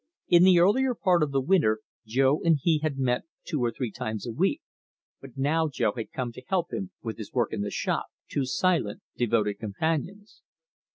In the earlier part of the winter Jo and he had met two or three times a week, but now Jo had come to help him with his work in the shop two silent, devoted companions.